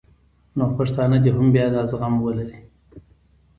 نو پښتانه دې هم بیا دا زغم ولري